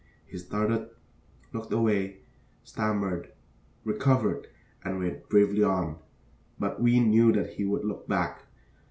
He started, looked away, stammered, recovered, and went bravely on. But we knew that he would look back.